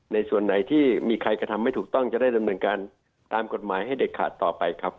ส่วนไหนที่มีใครกระทำไม่ถูกต้องจะได้ดำเนินการตามกฎหมายให้เด็ดขาดต่อไปครับ